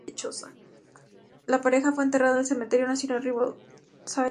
La pareja fue enterrada en el Cementerio Nacional Riverside, en Riverside, California.